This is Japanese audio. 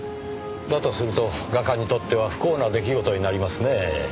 だとすると画家にとっては不幸な出来事になりますねぇ。